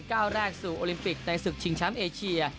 ก้าวแรกสู่โอลิมปิกในศึกชิงแชมป์เอเชีย